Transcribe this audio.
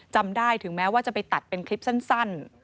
จำได้ถึงแม้ว่าจะไปตัดเป็นคลิปสั้น